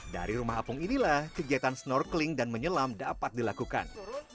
dari rumah apung inilah kegiatan snorkeling dan menyelam dapat dilakukan